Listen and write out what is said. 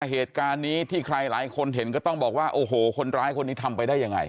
เหตุการณ์นี้ที่ใครหลายคนเห็นก็ต้องบอกว่าโอ้โหคนร้ายคนนี้ทำไปได้ยังไง